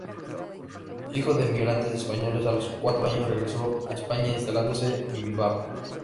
Hijo de emigrantes españoles, a los cuatro años regresó a España, instalándose en Bilbao.